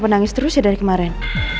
masa nangis terus ya dari kemarin